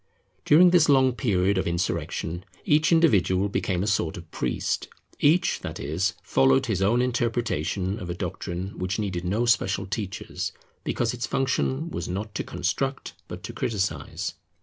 During this long period of insurrection, each individual became a sort of priest; each, that is, followed his own interpretation of a doctrine which needed no special teachers, because its function was not to construct but to criticize.